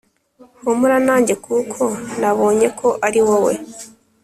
humura nanjye kuko nabonyeko ariwowe